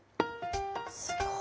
すごい！